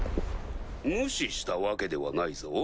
無視したわけではないぞ。